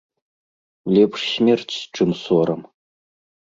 Лепш смерць чым сорам.